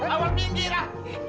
awal pinggir ah